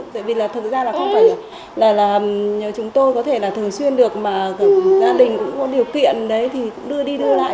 tại vì là thật ra là không phải là chúng tôi có thể là thường xuyên được mà gặp gia đình cũng có điều kiện đấy thì đưa đi đưa lại